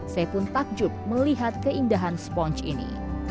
saya pun takjub melihat keindahan sponge ini